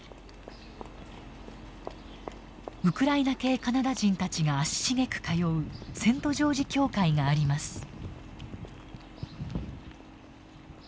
ウクライナ系カナダ人たちが足しげく通うセント・ジョージ教会があります。